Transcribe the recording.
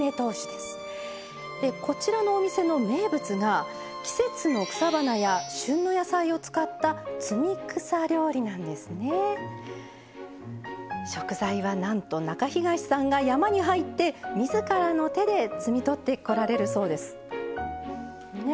でこちらのお店の名物が季節の草花や旬の野菜を使った食材はなんと中東さんが山に入って自らの手で摘み取ってこられるそうです。ね？